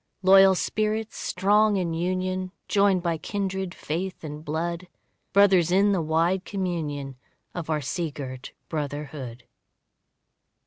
Loyal spirits strong in union, Joined by kindred faith and blood; Brothers in the wide communion Of our sea girt brotherhood.